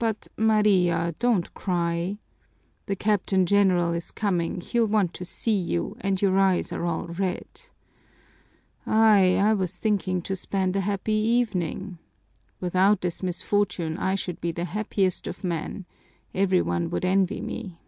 But, Maria, don't cry. The Captain General is coming, he'll want to see you, and your eyes are all red. Ay, I was thinking to spend a happy evening! Without this misfortune I should be the happiest of men every one would envy me!